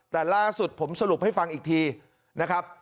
แต่ล่าสุดผมสรุปให้ฟังอีกทีนะครับ